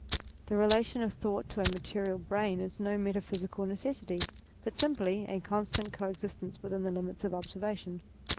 The relation of thought to a material brain is no metaphysical necessity ; but simply a constant co existence within the limits of observation.